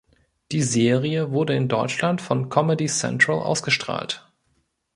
Die Serie wurde in Deutschland von Comedy Central ausgestrahlt.